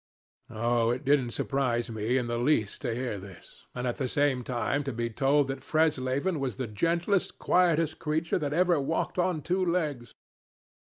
Oh, it didn't surprise me in the least to hear this, and at the same time to be told that Fresleven was the gentlest, quietest creature that ever walked on two legs.